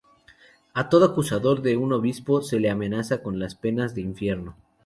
A todo acusador de un obispo se le amenaza con las penas del infierno.